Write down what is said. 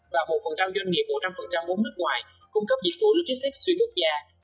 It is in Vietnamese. và một doanh nghiệp một trăm linh vốn nước ngoài cung cấp dịch vụ logistics xuyên quốc gia